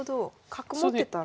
角持ってたら。